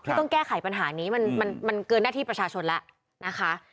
ต้องแก้ไขปัญหานี้มันเกินหน้าที่ประชาชนแล้วนะคะ